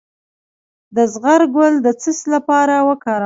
د زغر ګل د څه لپاره وکاروم؟